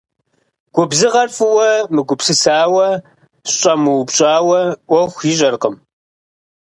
Губзыгъэр фӀыуэ мыгупсысауэ, щӀэмыупщӀауэ Ӏуэху ищӀэркъым.